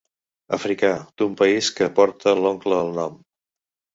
Africà d'un país que porta l'oncle al nom.